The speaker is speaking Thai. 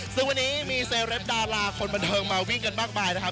ซึ่งวันนี้มีเศรษฐ์เล็บดาลาคลพนเทิงมาวิ่งกันมากมายนะครับ